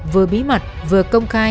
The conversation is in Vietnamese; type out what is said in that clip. vừa bí mật vừa công khai